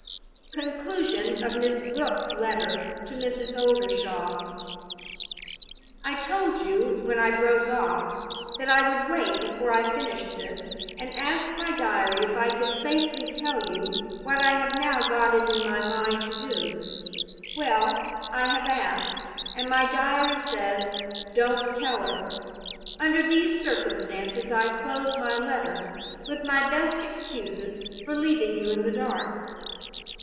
Conclusion of Miss Gwilt's Letter to Mrs. Oldershaw. "...I told you, when I broke off, that I would wait before I finished this, and ask my Diary if I could safely tell you what I have now got it in my mind to do. Well, I have asked; and my Diary says, 'Don't tell her!' Under these circumstances I close my letter with my best excuses for leaving you in the dark.